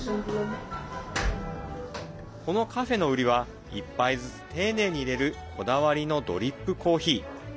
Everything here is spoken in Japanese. このカフェの売りは１杯ずつ丁寧にいれるこだわりのドリップコーヒー。